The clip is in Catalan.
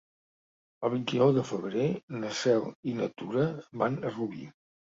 El vint-i-nou de febrer na Cel i na Tura van a Rubí.